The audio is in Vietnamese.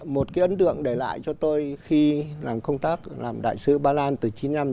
một cái ấn tượng để lại cho tôi khi làm công tác làm đại sứ ba lan từ chín mươi năm chín mươi tám